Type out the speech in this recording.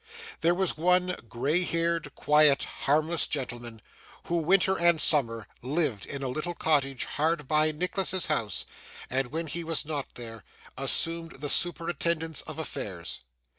There was one grey haired, quiet, harmless gentleman, who, winter and summer, lived in a little cottage hard by Nicholas's house, and, when he was not there, assumed the superintendence of affairs.